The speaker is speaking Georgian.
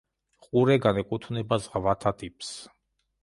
ყურე განეკუთვნება ზღვათა ტიპს.